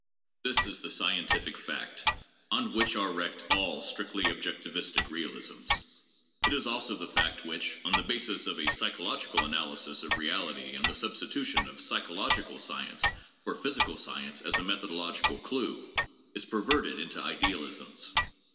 This is the scientific fact on which are wrecked all strictly objectivistic realisms. It is also the fact which, on the basis of a psychological analysis of reality and the substitution of psychological science for physical science as a methodological clue, is perverted into idealisms.